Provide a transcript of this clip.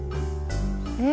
え！